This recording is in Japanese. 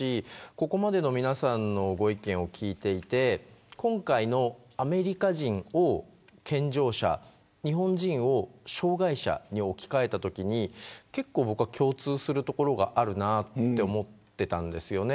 ここまでの皆さんのご意見を聞いていて今回のアメリカ人を健常者日本人を障害者に置き換えたとき結構、共通するところがあるなと思っていたんですよね。